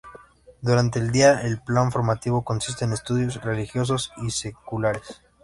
Durante el día, el plan formativo consiste en estudios religiosos y seculares.